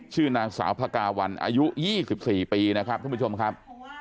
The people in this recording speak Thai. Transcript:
ชื่อนางสาวพกาวันอายุ๒๔ปีนะครับทุกผู้ชมครับ